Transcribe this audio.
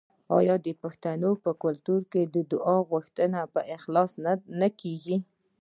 آیا د پښتنو په کلتور کې د دعا غوښتل په اخلاص نه کیږي؟